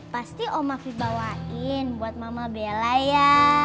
pasti om afi bawain buat mama bella ya